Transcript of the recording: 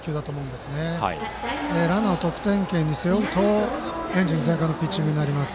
で、ランナーを得点圏に背負うとエンジン全開のピッチングになります。